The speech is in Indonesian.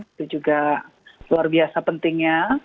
itu juga luar biasa pentingnya